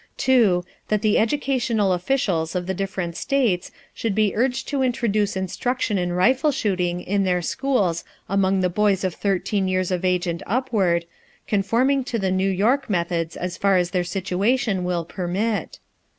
2. That the educational officials of the different States should be urged to introduce instruction in rifle shooting in their schools among the boys of 13 years of age and upward, conforming to the New York methods as far as their situation will permit.